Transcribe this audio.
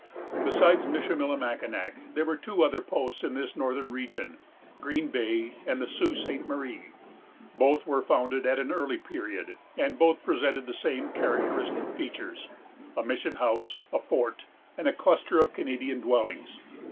Besides Michillimackinac, there were two other posts in this northern region, Green Bay, and the Sault Ste. Marie. Both were founded at an early period, and both presented the same characteristic features——a mission house, a fort, and a cluster of Canadian dwellings.